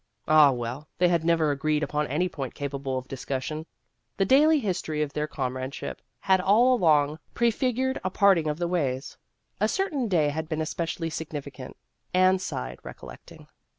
Ah, well, they had never agreed upon any point capable of discussion. The daily history of their comradeship had all along prefig ured a parting of the ways. A certain day had been especially significant ; Anne sighed, recollecting.